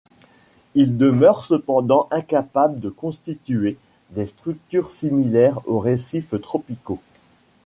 Il demeure cependant incapable de constituer des structures similaires aux récifs tropicaux.